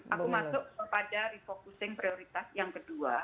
aku masuk kepada refocusing prioritas yang kedua